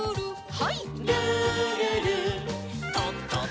はい。